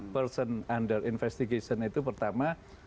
person under investigation itu pertama